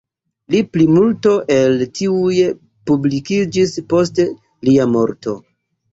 La plimulto el tiuj publikiĝis post lia morto.